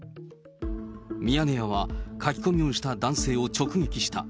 ミヤネ屋は書き込みをした男性を直撃した。